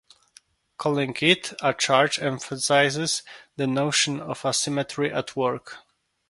Calling it a charge emphasizes the notion of a symmetry at work.